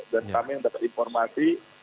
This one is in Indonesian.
dan kami mendapat informasi